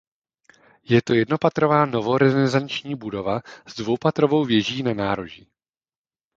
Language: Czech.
Je to jednopatrová novorenesanční budova s dvoupatrovou věží na nároží.